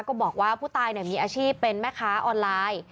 ก็บอกว่าผู้ตายมีอาชีพเป็นแม่ค้าออนไลน์